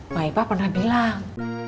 maipa pernah bilang